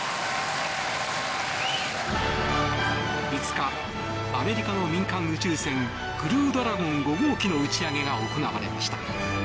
５日、アメリカの民間宇宙船クルードラゴン５号機の打ち上げが行われました。